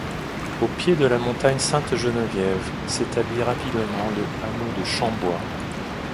Au pied de la montagne Sainte-Geneviève s'établit rapidement le hameau de Chambois.